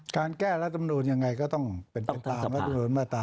การแก้รัฐมนูลยังไงก็ต้องเป็นไปตามรัฐมนุนมาตรา